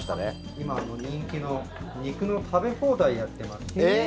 今、人気の肉の食べ放題をやってまして。